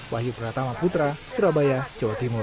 wahyu pratama putra surabaya jawa timur